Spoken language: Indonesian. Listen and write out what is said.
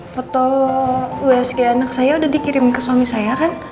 foto usg anak saya udah dikirim ke suami saya kan